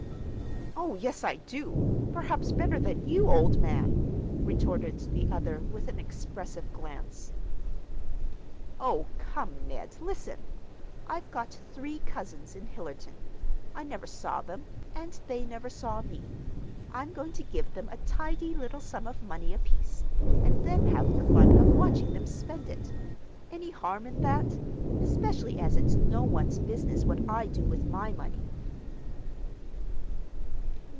"Oh, yes, I do—perhaps better than you, old man," retorted the other with an expressive glance. "Oh, come, Ned, listen! I've got three cousins in Hillerton. I never saw them, and they never saw me. I'm going to give them a tidy little sum of money apiece, and then have the fun of watching them spend it. Any harm in that, especially as it's no one's business what I do with my money?"